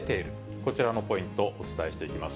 こちらのポイント、お伝えしていきます。